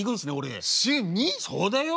そうだよ。